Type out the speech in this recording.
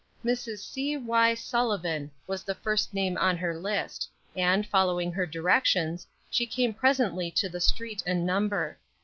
"Mrs. C. Y. Sullivan" was the first name on her list, and, following her directions, she came presently to the street and number.